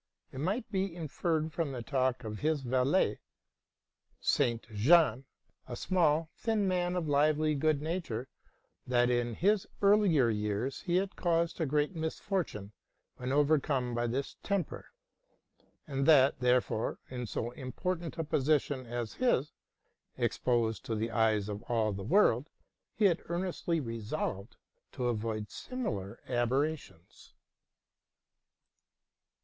It might be inferred from the talk of his valet, Saint Jean, a small, thin man of lively good nature, that in his earlier years he had caused a great misfortune when overcome by this temper; and that, therefore, in so impor tant a position as his, exposed to the eyes of all the world, he had earnestly resolved to avoid similar aberrations.